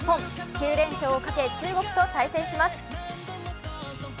９連勝をかけ中国と対戦します。